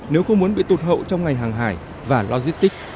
nếu không muốn bị tụt hậu trong ngành hàng hải và logistics